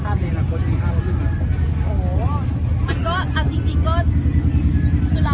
ถ้าของเป็นเจ้าบ่านของเรา